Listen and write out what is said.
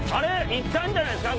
行ったんじゃないですか？